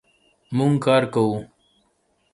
مونږ کار کوو